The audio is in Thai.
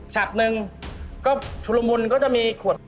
ฉับหนึ่งก็ชุลมุนก็จะมีขวด